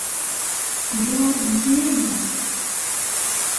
俺は虹ネームだぞ